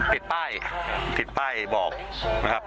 ติดป้ายติดป้ายบอกนะครับ